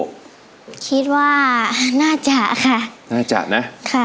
ก็คิดว่าน่าจะค่ะน่าจะนะค่ะ